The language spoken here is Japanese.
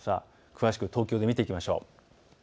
詳しく東京で見ていきましょう。